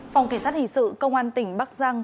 phòng kỳ sát hình sự công an tỉnh bắc giang